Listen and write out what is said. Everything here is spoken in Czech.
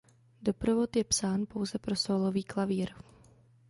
Doprovod je psán pouze pro sólový klavír.